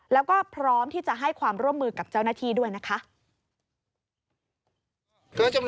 แล้วก็พร้อมที่จะให้ความร่วมมือกับเจ้าหน้าที่ด้วยนะคะ